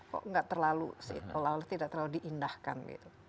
kok tidak terlalu diindahkan gitu